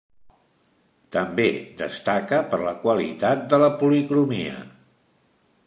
També destaca per la qualitat de la policromia.